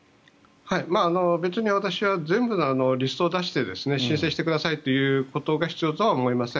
別に私は全部のリストを出して申請してくださいということが必要とは思いません。